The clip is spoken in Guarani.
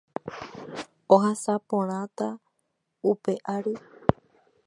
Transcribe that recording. ohasaporãta upe ary